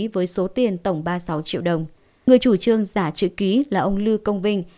với số tiền tổng ba mươi sáu triệu đồng người chủ trương giả chữ ký là ông lưu công vinh